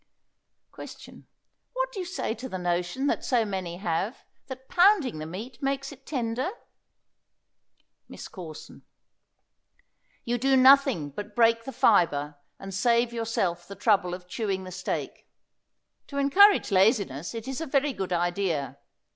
Question. What do you say to the notion that so many have, that pounding the meat makes it tender? MISS CORSON. You do nothing but break the fibre and save yourself the trouble of chewing the steak. To encourage laziness it is a very good idea.